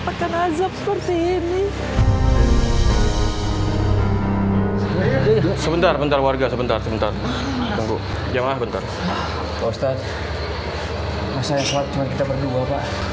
pak ustadz masalah yang suat cuma kita berdua pak